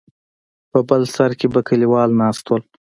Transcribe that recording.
په بل سر کې به کليوال ناست ول.